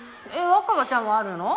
若葉ちゃんはあるの？